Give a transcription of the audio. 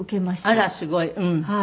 あらすごい。